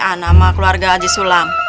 anak sama keluarga haji sulam